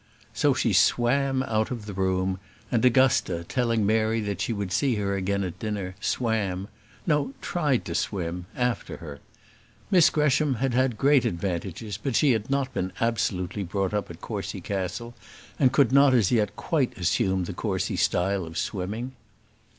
So she swam out of the room, and Augusta, telling Mary that she would see her again at dinner, swam no, tried to swim after her. Miss Gresham had had great advantages; but she had not been absolutely brought up at Courcy Castle, and could not as yet quite assume the Courcy style of swimming.